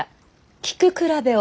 菊比べを。